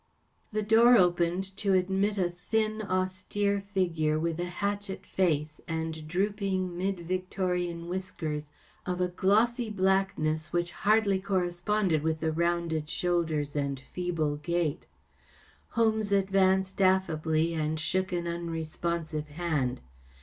T HE door opened to admit a thin, austere figure with a hatchet face and drooping mid Victorian whiskers of a glossy blackness which hardly corresponded with the rounded shoulders and feeble gait. Holmes advanced affably, and shook an unresponsive hand.